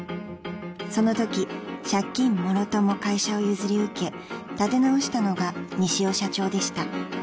［そのとき借金もろとも会社を譲り受け立て直したのが西尾社長でした］